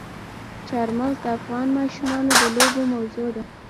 چار مغز د افغان ماشومانو د لوبو موضوع ده.